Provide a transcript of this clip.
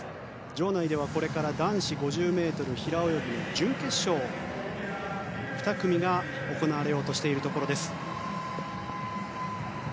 場内ではこれから男子５０ｍ平泳ぎ準決勝２組が行われようとしているところです。